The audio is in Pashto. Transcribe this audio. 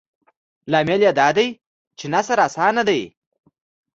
لامل یې دادی چې نثر اسان دی.